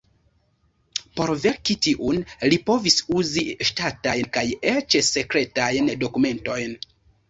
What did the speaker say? Por verki tiun, li povis uzi ŝtatajn kaj eĉ sekretajn dokumentojn.